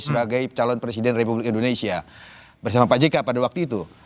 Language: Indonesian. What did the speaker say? sebagai calon presiden republik indonesia bersama pak jk pada waktu itu